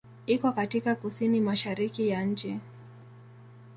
Iko katika kusini-mashariki ya nchi.